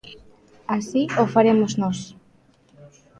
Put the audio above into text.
Así o faremos nós.